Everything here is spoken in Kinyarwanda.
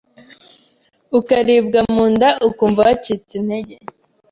ukaribwa mu nda, ukumva wacitse intege,